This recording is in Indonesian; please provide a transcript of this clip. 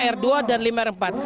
r dua dan lima r empat